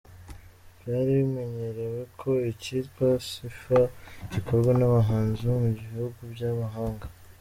Byari bimenyerewe ko icyitwa ‘Cypher’ gikorwa n’abahanzi bo mu bihugu by’amahanga.